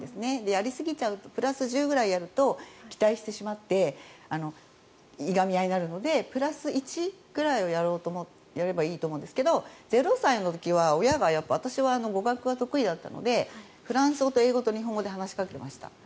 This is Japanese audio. やりすぎちゃうプラス１０ぐらいすると期待してしまっていがみ合いになるのでプラス１くらいをやればいいと思うんですけど０歳の時は私は語学が得意だったのでフランス語と英語と日本語で話しかけていました。